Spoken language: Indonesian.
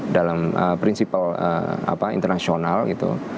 dalam prinsipal internasional gitu